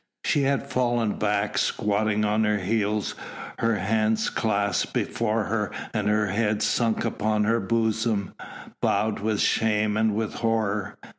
She had fallen back, squatting on her heels, her hands clasped before her and her head sunk upon her bosom, bowed with shame and with horror.